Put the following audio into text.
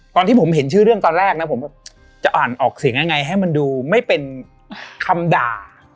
ตอนที่ผมเห็นชื่อเรื่องตอนแรกนะผมจะอ่านออกเสียงยังไงให้มันดูไม่เป็นคำด่า